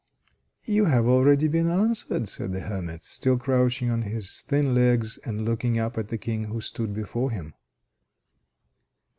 "You have already been answered!" said the hermit, still crouching on his thin legs, and looking up at the King, who stood before him.